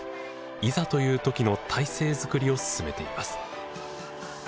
いざという時の体制づくりを進めています。